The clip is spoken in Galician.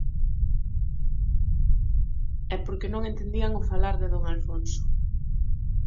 E porque non entendían o falar de don Alfonso.